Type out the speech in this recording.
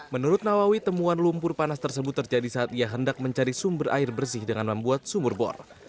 menurut nawawi temuan lumpur panas tersebut terjadi saat ia hendak mencari sumber air bersih dengan membuat sumur bor